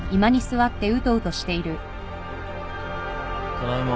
ただいま。